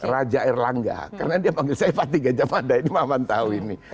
raja erlangga karena dia panggil saya pak tiga jam mada ini mamah tahu ini